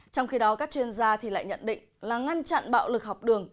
trong khi đó các chuyên gia thì lại nhận định là ngăn chặn bạo lực học đường